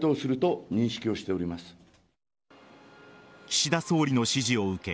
岸田総理の指示を受け